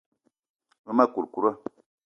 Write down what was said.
Ve ma kourkoura.